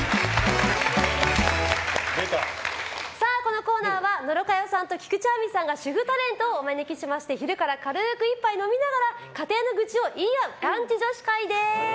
このコーナーは、野呂佳代さんと菊地亜美さんが主婦タレントをお招きして昼から軽く一杯飲みながら家庭のぐちを言い合うランチ女子会です。